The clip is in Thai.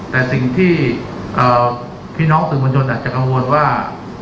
แต่สิ่งที่พี่น้องสื่อมวลชนอาจจะกังวลว่า